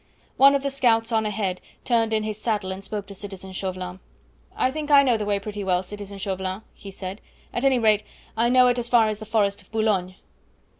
One of the scouts on ahead turned in his saddle and spoke to citizen Chauvelin: "I think I know the way pretty well; citizen Chauvelin," he said; "at any rate, I know it as far as the forest of Boulogne."